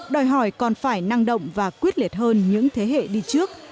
đòi hỏi còn phải năng động và quyết liệt hơn những thế hệ đi trước